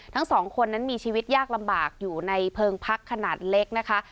ทั้งสองคนนั้นมีชีวิตยากลำบากอยู่ในเพลิงพักขนาดเล็กนะคะ